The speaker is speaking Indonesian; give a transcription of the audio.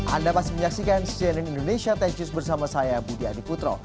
anda masih menyaksikan cnn indonesia tech news bersama saya budi adiputro